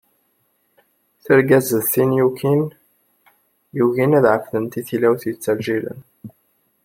Tirga-s d tid yukin yugin ad ɛekfent i tilawt yettrejdilen.